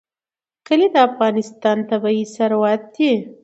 کلي د افغانستان طبعي ثروت دی.